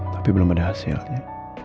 tapi belum ada hasilnya